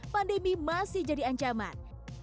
pandemi masih jadi ancaman